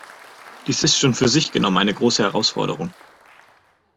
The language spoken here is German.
Dies ist schon für sich genommen eine große Herausforderung.